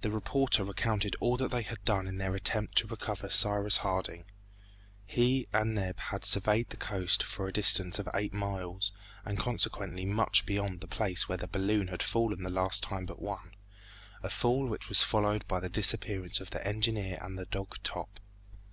The reporter recounted all that they had done in their attempt to recover Cyrus Harding. He and Neb had surveyed the coast for a distance of eight miles and consequently much beyond the place where the balloon had fallen the last time but one, a fall which was followed by the disappearance of the engineer and the dog Top.